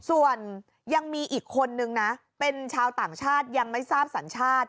ส่วนยังมีอีกคนนึงนะเป็นชาวต่างชาติยังไม่ทราบสัญชาติ